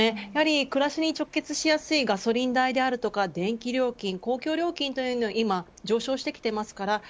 やはり暮らしに直結しやすいガソリン代であるとか電気料金、公共料金というのは今、上昇してきています。